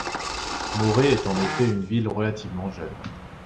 Morez est en effet une ville relativement jeune.